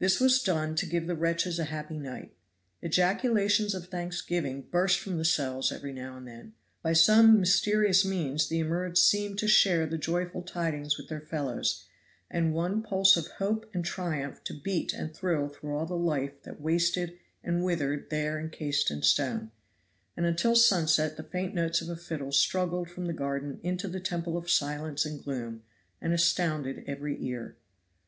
This was done to give the wretches a happy night. Ejaculations of thanksgiving burst from the cells every now and then; by some mysterious means the immured seemed to share the joyful tidings with their fellows, and one pulse of hope and triumph to beat and thrill through all the life that wasted and withered there encased in stone; and until sunset the faint notes of a fiddle struggled from the garden into the temple of silence and gloom, and astounded every ear.